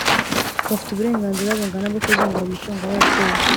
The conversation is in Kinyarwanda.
bafite uburenganzira bungana bwo kuzungura umutungo w'ababyeyi